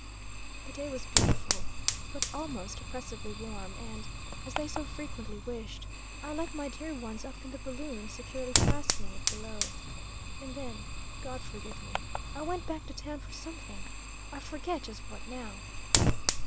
"The day was beautiful, but almost oppressively warm, and, as they so frequently wished, I let my dear ones up in the balloon, securely fastening it below. And then God forgive me! I went back to town for something; I forget just what, now.